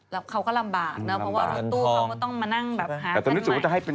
แล้วเขาก็ลำบากเนอะเพราะว่ารถตู้เขาก็ต้องมานั่งแบบหาแค่ไหน